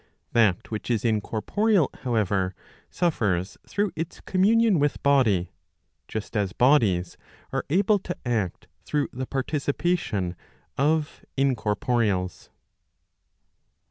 That which is incorporeal, however, suffers through its communion with body; just as hodies are able to act through the participation of incorporeals.